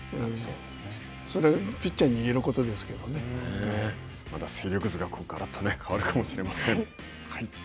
それはピッチャーにも言えることまだ戦力図ががらっと変わるかもしれません。